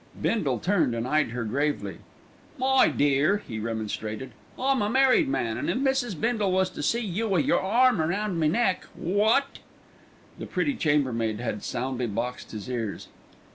Bindle turned and eyed her gravely. "My dear," he remonstrated, "I'm a married man, and if Mrs. Bindle was to see you wi' yer arm round me neck wot!" The pretty chambermaid had soundly boxed his ears.